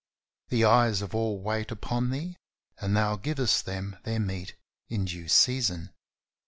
"The eyes of all wait upon Thee and Thou givest them their meat in due season.